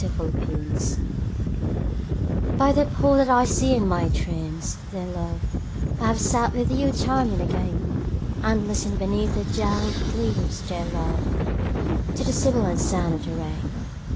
THE POOL By the pool that I see in my dreams, dear love, I have sat with you time and again; And listened beneath the dank leaves, dear love, To the sibilant sound of the rain.